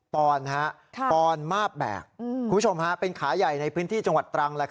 ปอนมาบแบกคุณผู้ชมเป็นขาใหญ่ในพื้นที่จังหวัดตรัง